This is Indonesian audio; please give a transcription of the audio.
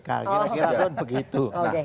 kira kira pun begitu